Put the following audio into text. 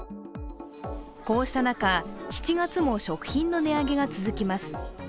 こうした中、７月も食品の値上げが続きます。